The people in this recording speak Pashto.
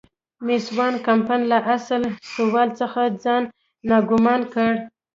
مېس وان کمپن له اصل سوال څخه ځان ناګومانه کړ.